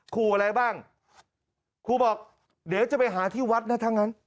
ครูอะไรบ้างครูบอกเดี๋ยวจะไปหาที่วัดนะถ้างั้น